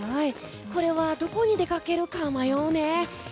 これはどこに出かけるか迷うね。